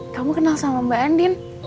kamu kenal sama mbak andin